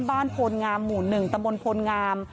บ้านพลงามหมู่๑ตมพลงาม